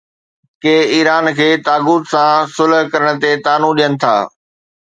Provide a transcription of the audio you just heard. ڪي Iran کي طاغوت سان صلح ڪرڻ تي طعنو ڏين ٿا.